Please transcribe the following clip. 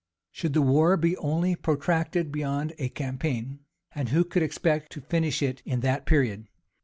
Should the war be only protracted beyond a campaign, (and who could expect to finish it in that period?)